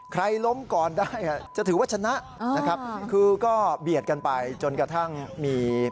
ล้มก่อนได้จะถือว่าชนะนะครับคือก็เบียดกันไปจนกระทั่งมี